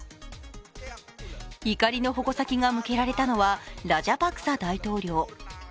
怒りの矛先が向けられたのはラジャパクサ大統領。